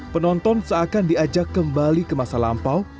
penonton seakan diajak kembali ke masa lampau